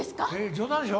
冗談でしょ？